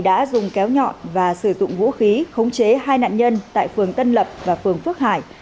đã dùng kéo nhọn và sử dụng vũ khí khống chế hai nạn nhân tại phường tân lập và phường phước hải